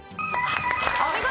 お見事！